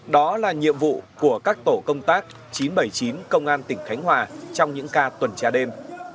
đó là nhiệm vụ của các tổ công tác chín trăm bảy mươi chín công an tỉnh khánh hòa trong những ca tuần tra đêm